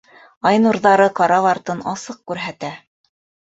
Ай нурҙары карап артын асыҡ күрһәтә.